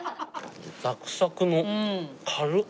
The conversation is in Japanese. サクサクの軽っ。